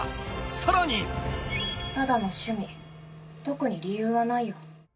さらにただの趣味特に理由はないよ。